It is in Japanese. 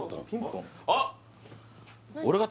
あっ！